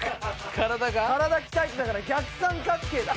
体鍛えてたから逆三角形だ。